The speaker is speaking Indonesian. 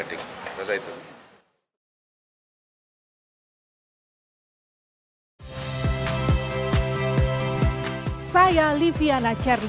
untuk mencan johann andreas